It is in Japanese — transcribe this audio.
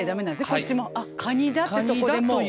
こっちも「あっ蟹だ」ってそこでもう。